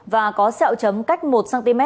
và có sẹo chấm cách một cm